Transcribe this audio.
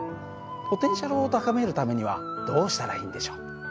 ポテンシャルを高めるためにはどうしたらいいんでしょう。